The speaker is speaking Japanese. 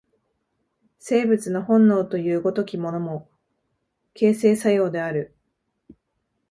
生物の本能という如きものも、形成作用である。